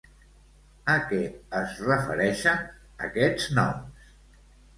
A què es refereixen aquests noms?